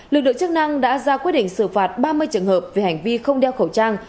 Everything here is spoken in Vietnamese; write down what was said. lực lượng chức năng đã ra quyết định xử phạt ba mươi trường hợp về hành vi không đeo khẩu trang